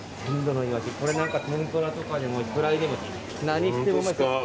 これなんか天ぷらでもフライでも何してもうまい。